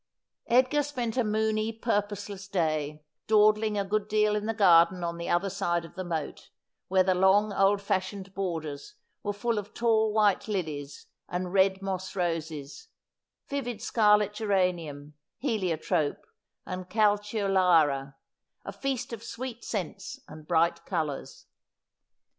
Edgar spent a moony purposeless day, dawdling a good deal in the garden on the other side of the moat, where the long old fashioned borders were full of tall white lilies and red moss roses, vivid scarlet geranium, heliotrope and calceolaria, a feast of sweet scents and bright colours.